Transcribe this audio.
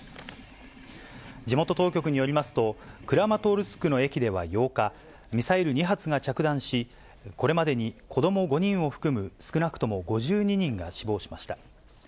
地元当局によりますと、クラマトルスクの駅では８日、ミサイル２発が着弾し、これまでに子ども５人を含む少なくとも５２人が死亡しました。